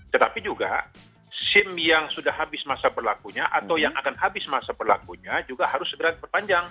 tetapi juga sim yang sudah habis masa berlakunya atau yang akan habis masa berlakunya juga harus segera diperpanjang